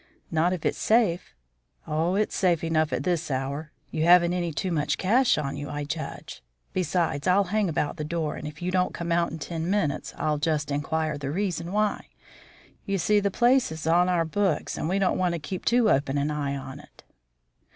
"Not if it's safe." "Oh, it's safe enough at this hour. You haven't any too much cash on you, I judge? Besides, I'll hang about the door, and if you don't come out in ten minutes I'll just inquire the reason why. You see, the place's on our books and we don't want to keep too open an eye on it."